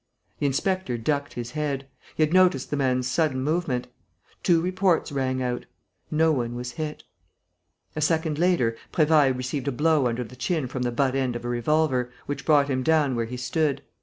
The inspector ducked his head. He had noticed the man's sudden movement. Two reports rang out. No one was hit. A second later, Prévailles received a blow under the chin from the butt end of a revolver, which brought him down where he stood.